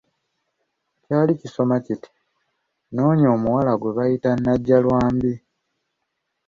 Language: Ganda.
Kyali kisoma kiti; "Nnoonya omuwala gwe bayita Najjalwambi"